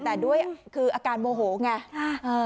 แต่ด้วยคืออาการโมโหไง